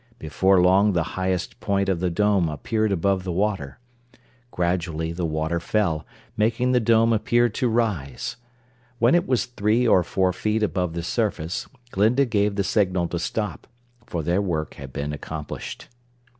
Before long the highest point of the dome appeared above the water. Gradually the water fell, making the dome appear to rise. When it was three or four feet above the surface Glinda gave the signal to stop, for their work had been accomplished.